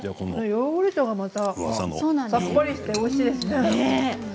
ヨーグルトがまたさっぱりしておいしいですね。